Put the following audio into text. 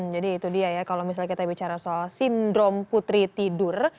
jadi itu dia ya kalau misalnya kita bicara soal sindrom putri tidur